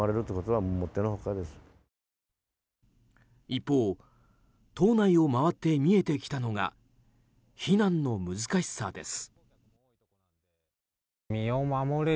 一方、島内を回って見えてきたのが避難の難しさです。